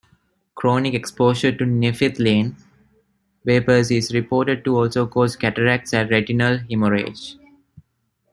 Chronic exposure to naphthalene vapors is reported to also cause cataracts and retinal hemorrhage.